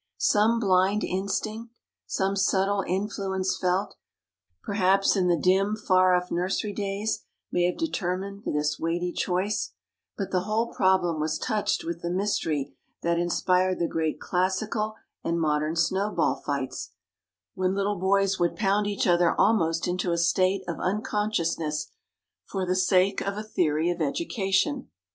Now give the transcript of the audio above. Some blind instinct, some subtle influence felt, per haps, in the dim, far off nursery days may have determined this weighty choice ; but the whole problem was touched with the mystery that inspired the great classical and modern snowball fights, when little boys would pound 94 THE DAY BEFORE YESTERDAY each other almost into a state of unconscious ness for the sake of a theory of education.